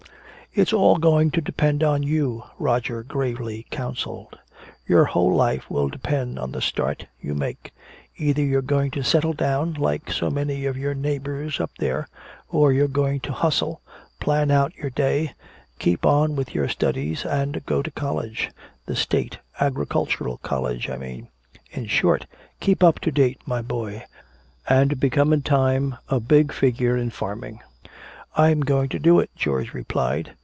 "It's all going to depend on you," Roger gravely counseled. "Your whole life will depend on the start you make. Either you're going to settle down, like so many of your neighbors up there, or you're going to hustle, plan out your day, keep on with your studies and go to college the State Agricultural College, I mean. In short, keep up to date, my boy, and become in time a big figure in farming." "I'm going to do it," George replied.